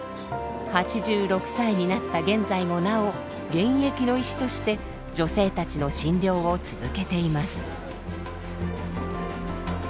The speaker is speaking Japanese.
８６歳になった現在もなお現役の医師として女性たちの診療を続けています。